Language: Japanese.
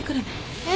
えっ？